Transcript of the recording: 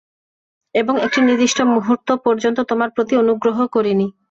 এবং একটি নির্দিষ্ট মুহূর্ত পর্যন্ত তোমার প্রতি অনুগ্রহ করিনি?